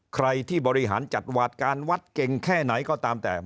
ใครที่บริหารจัดวาดการวัดเก่งแค่ไหนก็ตามแต่